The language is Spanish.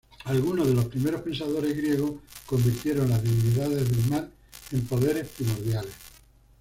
Algunos de los primeros pensadores griegos convirtieron las divinidades del mar en poderes primordiales.